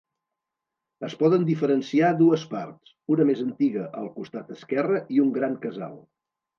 Es poden diferenciar dues parts, una més antiga al costat esquerre i un gran casal.